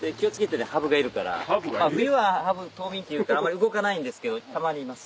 冬はハブ冬眠というかあまり動かないんですけどたまにいます。